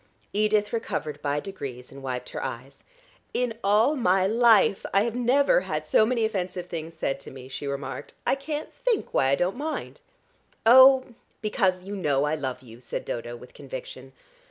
Edith recovered by degrees and wiped her eyes. "In all my life I have never had so many offensive things said to me," she remarked, "I can't think why I don't mind." "Oh, because you know I love you," said Dodo with conviction.